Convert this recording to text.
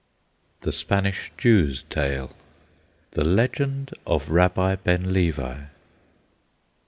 THE SPANISH JEW'S TALE. THE LEGEND OF RABBI BEN LEVI.